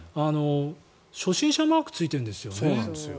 初心者マークがついているんですよね。